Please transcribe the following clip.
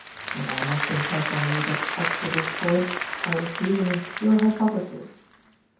But I must impress on you that up to this point I was dealing in pure hypothesis.